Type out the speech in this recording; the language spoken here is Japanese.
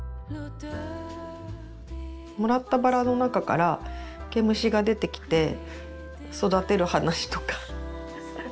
もらったバラの中から毛虫が出てきて育てる話とか。